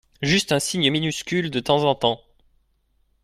Juste un signe minuscule de temps en temps.